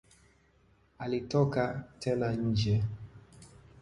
Alitoka tena nje